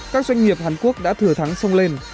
các doanh nghiệp hàn quốc đã thừa thắng sông lên